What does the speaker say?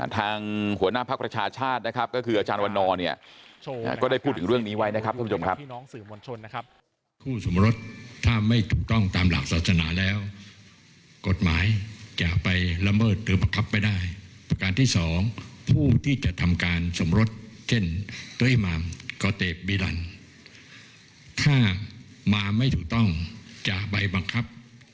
ทางหัวหน้าภักดิ์ประชาชาตินะครับก็คืออาจารย์วันนอร์เนี่ยก็ได้พูดถึงเรื่องนี้ไว้นะครับท่านผู้ชมครับ